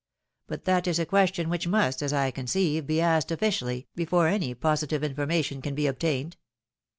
But that is a question which must, as I conceive, be asked ofiicially, before any positive information can be obtained.